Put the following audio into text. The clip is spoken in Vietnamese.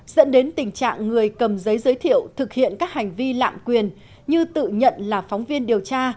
dẫn đến tình trạng người cầm giấy giới thiệu thực hiện các hành vi lạm quyền như tự nhận là phóng viên điều tra